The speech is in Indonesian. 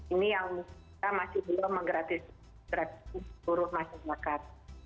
ini yang kita masih belum menggratis seluruh masyarakat